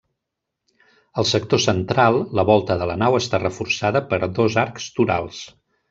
Al sector central, la volta de la nau està reforçada per dos arcs torals.